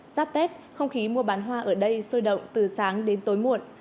giáp tết không khí mua bán hoa ở đây sôi động từ sáng đến tối muộn